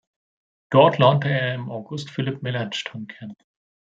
Dort lernte er im August Philipp Melanchthon kennen.